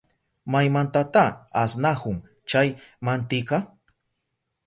¿Maymantata asnahun chay mantika?